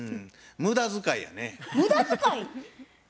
無駄遣いやね。